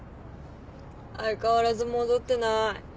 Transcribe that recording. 相変わらず戻ってない。